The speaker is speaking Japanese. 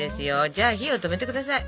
じゃあ火を止めて下さい。